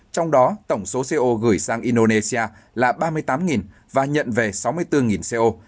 trong đó tổng số co gửi sang indonesia là ba mươi tám và nhận về sáu mươi bốn co